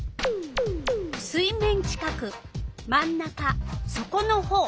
水面近く真ん中そこのほう。